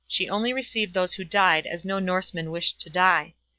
She only received those who died as no Norseman wished to die.